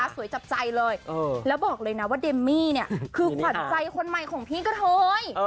จับใจเลยแล้วบอกเลยนะว่าเดมมี่เนี่ยคือขวัญใจคนใหม่ของพี่กะเทย